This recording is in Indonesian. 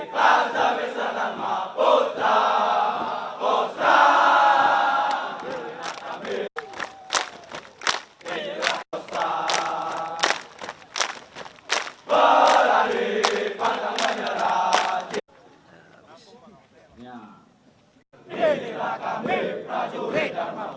pasang besar dalam maputra